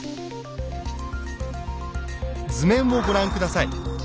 図面をご覧下さい。